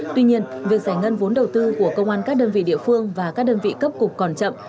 tuy nhiên việc giải ngân vốn đầu tư của công an các đơn vị địa phương và các đơn vị cấp cục còn chậm